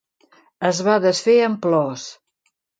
Es va desfer en plors.